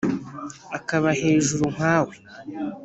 akaba hejuru nka we,